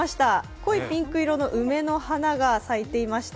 濃いピンク色の梅の花が咲いていました。